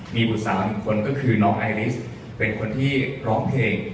มีบุตรสาวหนึ่งคนก็คือน้องไอริสเป็นคนที่ร้องเพลง